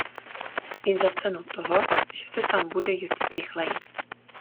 I za cenu toho, že se tam bude jezdit rychleji.